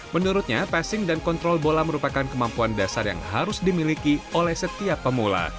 menurutnya passing dan kontrol bola merupakan kemampuan dasar yang harus dimiliki oleh setiap pemula